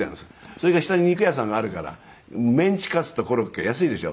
それから下に肉屋さんがあるからメンチカツとコロッケ安いでしょ？